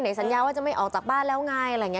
ไหนสัญญาว่าจะไม่ออกจากบ้านแล้วไง